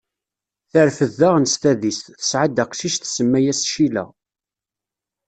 Terfed daɣen s tadist, tesɛad aqcic, tsemma-as Cila.